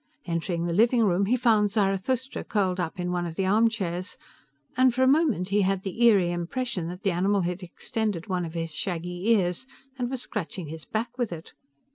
Entering the living room, he found Zarathustra curled up in one of the armchairs, and for a moment he had the eerie impression that the animal had extended one of his shaggy ears and was scratching his back with it.